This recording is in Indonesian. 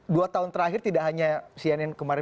dua tahun terakhir tidak hanya cnn kemarin